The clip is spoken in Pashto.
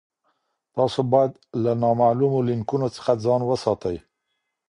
تاسي باید له نامعلومو لینکونو څخه ځان وساتئ.